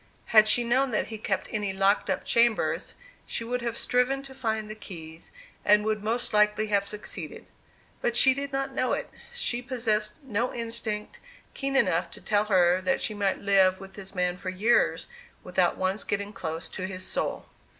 Had she known that he kept any locked up chambers, she would have striven to find the keys, and would most likely have succeeded. But she did not know it. She possessed no instinct keen enough to tell her that she might live with this man for years without once getting close to his soul.